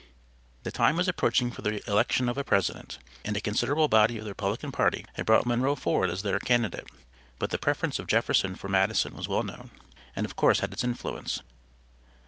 The time was approaching for the election of a president, and a considerable body of the Republican party had brought Monroe forward as their candidate, but the preference of Jefferson for Madison was well known and of course had its influence.